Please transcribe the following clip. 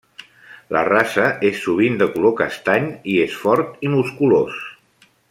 La raça és sovint de color castany, i és fort i musculós.